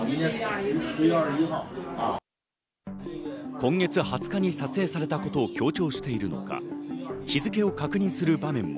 今月２０日に撮影されたことを強調しているのか日付を確認する場面も。